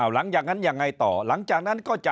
หลังจากนั้นยังไงต่อหลังจากนั้นก็จะ